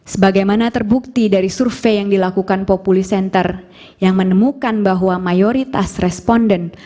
sebagaimana terbukti dari survei yang dilakukan populi center yang menemukan bahwa mayoritas responden